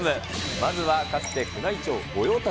まずはかつて宮内庁御用達。